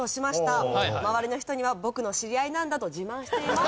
周りの人には僕の知り合いなんだと自慢しています。